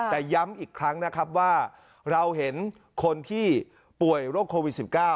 แต่ย้ำอีกครั้งนะครับว่าเราเห็นคนที่ป่วยโรคโควิด๑๙